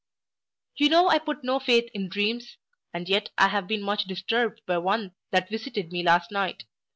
You know I put no faith in dreams; and yet I have been much disturbed by one that visited me last night.